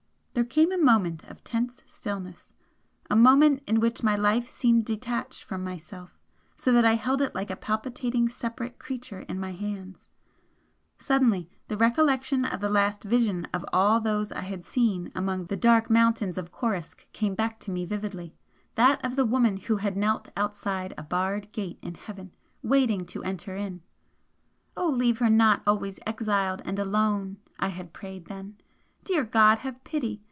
There came a moment of tense stillness a moment in which my life seemed detached from myself so that I held it like a palpitating separate creature in my hands, Suddenly the recollection of the last vision of all those I had seen among the dark mountains of Coruisk came back to me vividly that of the woman who had knelt outside a barred gate in Heaven, waiting to enter in "O leave her not always exiled and alone!" I had prayed then "Dear God, have pity!